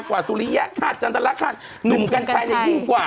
กว่าสุริยะฆาตจันทร์ลักษณ์หนุ่มกันชัยยิ่งกว่า